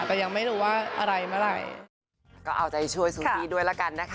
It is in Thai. แต่ยังไม่รู้ว่าอะไรเมื่อไหร่